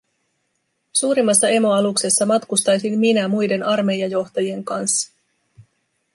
Suurimmassa emoaluksessa matkustaisin minä muiden armeijajohtajien kanssa.